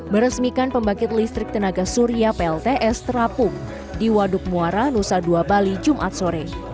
meresmikan pembangkit listrik tenaga surya plts terapung di waduk muara nusa dua bali jumat sore